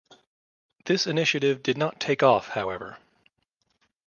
This initiative did not take off however.